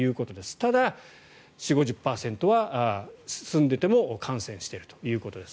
ただ、４０５０％は進んでいても感染しているということです。